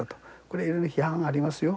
これはいろんな批判がありますよ。